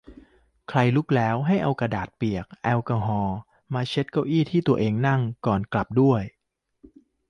ใครลุกแล้ว ให้เอากระดาษเปียกแอลกอฮอล์ มาเช็ดเก้าอี้ที่ตัวเองนั่งก่อนกลับด้วย